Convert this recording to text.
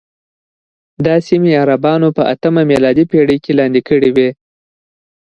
دا سیمې عربانو په اتمه میلادي پېړۍ کې لاندې کړې وې.